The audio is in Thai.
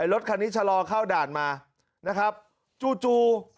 รถคันนี้ฉลอเข้าด่านมาจู่